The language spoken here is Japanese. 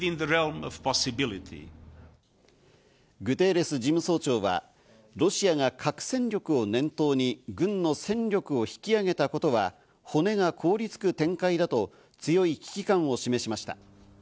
グテーレス事務総長はロシアが核戦力を念頭に軍の戦力を引き上げたことは骨が凍りつく展開だと強い危機感を示しました。